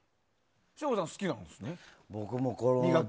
省吾さん、好きなんですって。